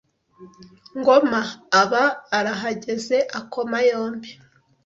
Ngoma aba arahageze akoma yombi